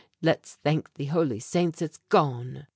Let's thank the Holy Saints it's gone."